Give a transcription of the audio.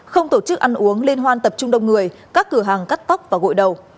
không tổ chức ăn uống liên hoan tập trung đông người các cửa hàng cắt tóc và gội đầu